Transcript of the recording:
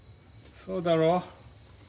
そうだろう？